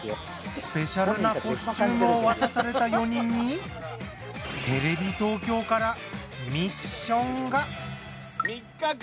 スペシャルなコスチュームを渡された４人にテレビ東京から３日間。